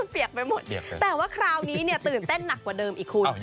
เปียกไปหมดแต่ว่าคราวนี้เนี่ยตื่นเต้นหนักกว่าเดิมอีกคุณ